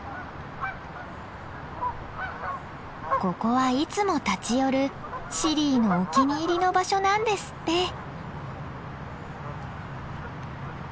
ここはいつも立ち寄るシリーのお気に入りの場所なんですって。